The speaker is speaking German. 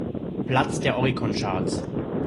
Platz der Oricon Charts.